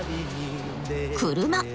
車。